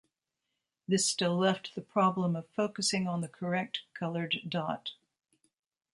This still left the problem of focusing on the correct colored dot.